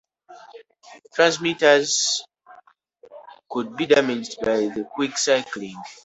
Transmitters could be damaged by the quick cycling.